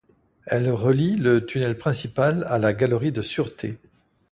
Elles relient le tunnel principal à la galerie de sureté.